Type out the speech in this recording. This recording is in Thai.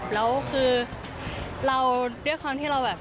แล้วคือเราด้วยความที่เราแบบ